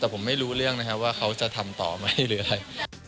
แต่ผมไม่รู้เรื่องนะครับว่าเขาจะทำต่อไหมหรืออะไร